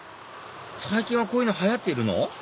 最近はこういうの流行ってるの？